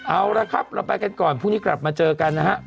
เอาละครับเราไปกันก่อนพรุ่งนี้กลับมาเจอกันนะฮะ